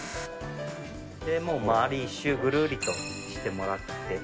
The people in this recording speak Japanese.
もう周り、一周ぐるりとしてもらって。